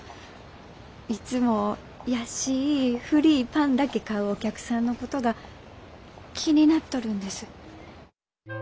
いつも安い古いパンだけ買うお客さんのことが気になっとるんです。